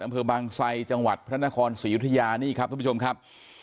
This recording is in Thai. อำเภอบางไซจังหวัดพระนครศรียุธยานี่ครับทุกผู้ชมครับ